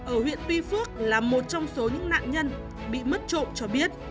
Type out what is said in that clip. ở huyện tuy phước là một trong số những nạn nhân bị mất trộm cho biết